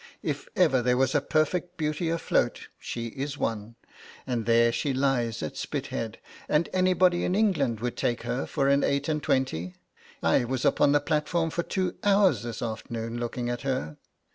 If ever there was a perfect beauty afloat she is one; and there she lies at Spithead, and anybody in England would take her for an eight and twenty. I was upon the platform for two hours this afternoon looking at her.